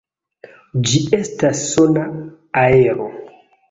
Ĝi estas sona aero.